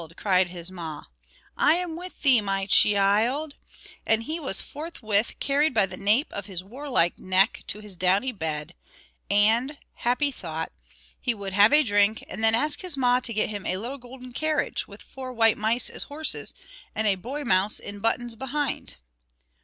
cried his ma, "I am with thee, my chee ild;" and he was forthwith carried by the nape of his warlike neck to his downy bed, and happy thought he would have a drink, and then ask his ma to get him a little golden carriage, with four white mice as horses, and a boy mouse in buttons behind.